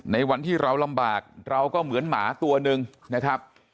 ในวันที่เราลำบากเราก็เหมือนหมาตัวหนึ่งนะครับ